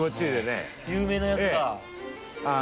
有名なやつだ。